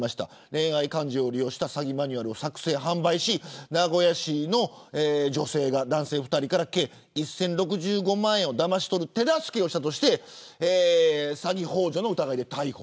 恋愛感情を利用した詐欺マニュアルを作成、販売し名古屋市の女性が男性２人から計１０６５万円をだまし取る手助けをしたとして詐欺ほう助の疑いで逮捕。